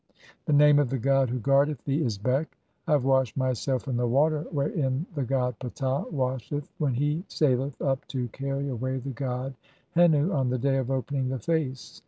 (11) The name of the god who guardeth thee is Beq. "I have washed myself in the water wherein the god Ptah "washeth when he saileth up to carry away the god H ennu on "the day of 'opening the face'.